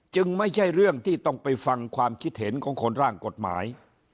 ไม่ใช่เรื่องที่ต้องไปฟังความคิดเห็นของคนร่างกฎหมาย